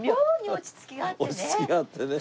落ち着きがあってね。